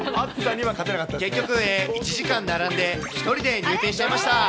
結局、１時間並んで１人で入店しちゃいました。